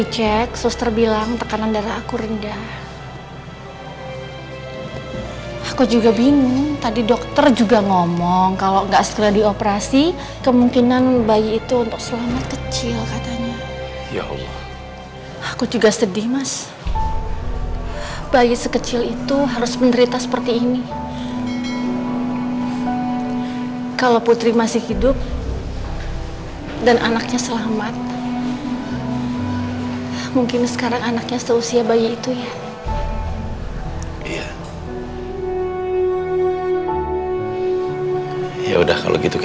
sekarang mereka berdua malah jadi balik rukun lagi